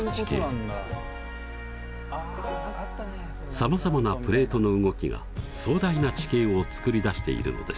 さまざまなプレートの動きが壮大な地形をつくり出しているのです。